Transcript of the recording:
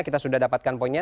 kita sudah dapatkan poinnya